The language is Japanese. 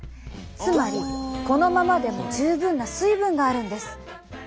つまりこのままでも十分な水分があるんです。